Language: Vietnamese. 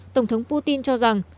tổng thống putin cho rằng